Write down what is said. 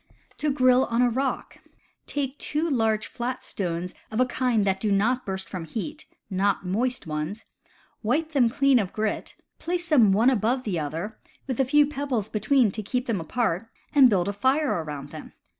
To Grill on a Rock. — Take two large flat stones of a kind that do not burst from heat (not moist ones) , wipe them clean of grit, place them one above the other, with a few pebbles between to keep them apart, and build a fire around them.